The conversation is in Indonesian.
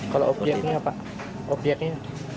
kalau objeknya apa objeknya